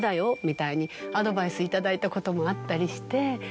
みたいにアドバイスいただいたこともあったりして。